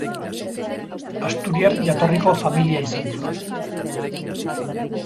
Asturiar jatorriko familia izan zuen.